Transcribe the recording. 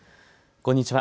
こんにちは。